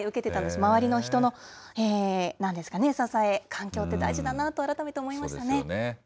周りの人の、なんですかね、支え、環境って本当に大事だなと改めて思いましたね。